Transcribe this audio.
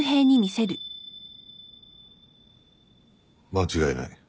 間違いない。